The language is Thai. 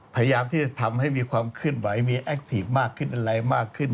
พยายามที่จะทำให้มีความเคลื่อนไหวมีแอคทีฟมากขึ้นอะไรมากขึ้น